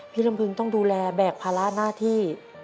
ลำพึงต้องดูแลแบกภาระหน้าที่